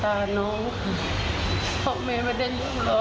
เราก็ป่วย